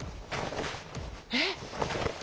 えっ？